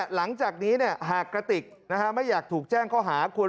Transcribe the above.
หากกะติกไม่อยากถูกแจ้งเข้าหาคุณ